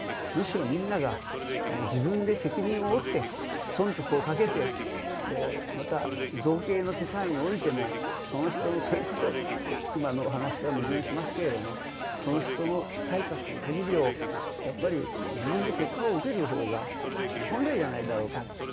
むしろみんなが自分で責任を負って損得をかけてまた造形の世界においてもその人のそれこそ今の話とは矛盾しますけれどもその人の才覚の限りをやっぱり自分で結果を受ける方が本来じゃないだろうか。